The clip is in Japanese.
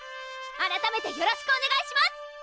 あらためてよろしくおねがいします！